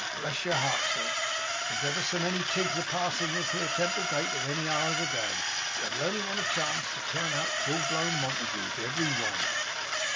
Bless your heart, sir, there's ever so many Tiggs a passin' this here Temple gate any hour in the day, that only want a chance to turn out full blown Montagues every one!